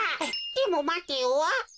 でもまてよ。